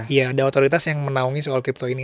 iya ada otoritas yang menaungi soal crypto ini